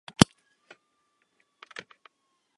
V Československu měla dlouhou tradici skládací kola značky Eska.